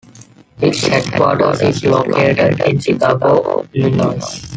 Its headquarters is located in Chicago, Illinois.